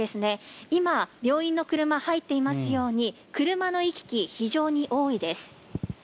今、病院の車が入っていますように車の行き来、非常に多いです。